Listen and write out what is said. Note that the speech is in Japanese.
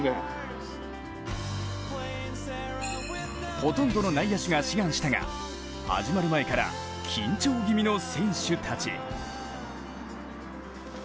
ほとんどの内野手が志願したが始まる前から緊張気味の選手たち。